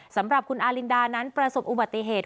สำหรับคุณอารินดานั้นประสบอุบัติเหตุ